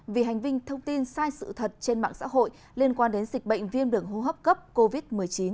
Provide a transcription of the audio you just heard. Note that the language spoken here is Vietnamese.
vì hành vinh thông tin sai sự thật trên mạng xã hội liên quan đến dịch bệnh viêm đường hô hấp cấp covid một mươi chín